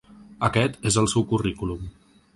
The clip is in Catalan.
Aquest és el seu currículum.